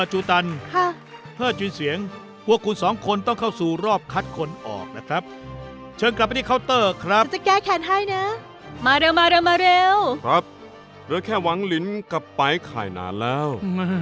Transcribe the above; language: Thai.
หรือแค่หวังลิ้นกลับไปข่ายนานแล้ว